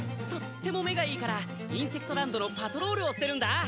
とっても目がいいからインセクトランドのパトロールをしてるんだ。